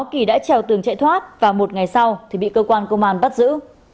kỳ đã trèo tường chạy thoát và một ngày sau thì bị cơ quan công an bắt giữ